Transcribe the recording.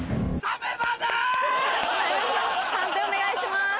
判定お願いします。